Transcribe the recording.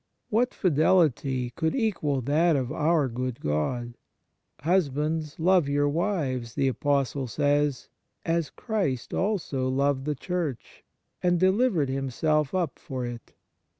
What fidelity could equal that of our good God ?" Husbands, love your wives," the Apostle says, " as Christ also loved the Church, and delivered Himself up for it."